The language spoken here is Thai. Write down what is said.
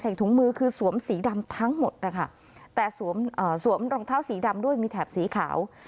ถุงมือคือสวมสีดำทั้งหมดนะคะแต่สวมสวมรองเท้าสีดำด้วยมีแถบสีขาว